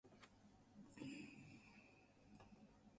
The fans readily jumped on the tie-in, and the Johnstown Chiefs were born.